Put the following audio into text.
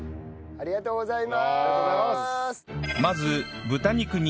ありがとうございます。